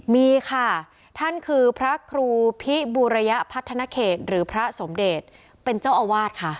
มีค่ะท่านคือพระครูพิบูรยพัฒนาเขตหรือพระสมเดชเป็นเจ้าอาวาสค่ะ